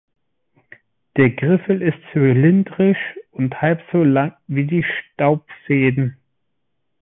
Der Griffel ist zylindrisch und halb so lang wie die Staubfäden.